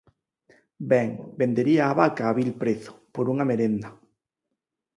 Ben, vendería a vaca a vil prezo, por unha merenda.